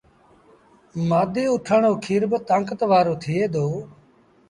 مآڌيٚ اُٺڻ رو کير با تآنڪت وآرو ٿئي دو۔